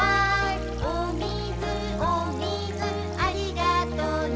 「おみずおみずありがとね」